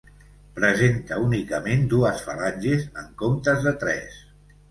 Presenta únicament dues falanges en comptes de tres.